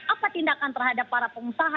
apa tindakan terhadap para pengusaha